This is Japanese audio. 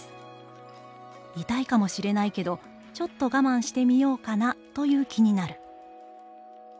痛いかもしれないけど、ちょっと我慢してみようかなという気になる」。